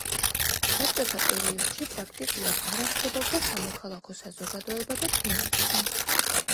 საბჭოთა პერიოდში პრაქტიკულად არ არსებობდა სამოქალაქო საზოგადოება და ფემინიზმი.